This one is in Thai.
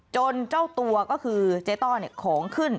จนเจ้าตัวก็คือใจต้อเนี่ยของขึ้น